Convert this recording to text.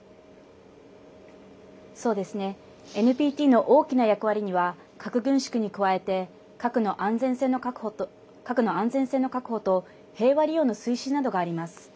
ＮＰＴの大きな役割には核軍縮に加えて核の安全性の確保と平和利用の推進などがあります。